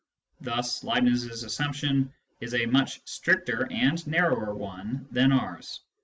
Thus Leibniz's assumption is a much stricter and narrower one than • ours.